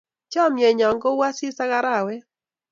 chamiet nyo ko u asis ak arawet